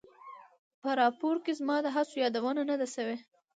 په راپور کې زما د هڅو یادونه نه ده شوې.